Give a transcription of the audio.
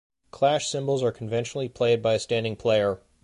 Clash cymbals are conventionally played by a standing player.